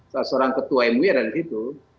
seorang ketua mu yang ada di situ